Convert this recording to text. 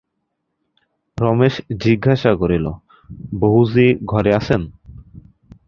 রমেশ জিজ্ঞাসা করিল, বহুজি ঘরে আছেন?